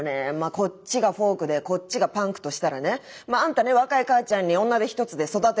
こっちがフォークでこっちがパンクとしたらねあんたね若い母ちゃんに女手一つで育てられた。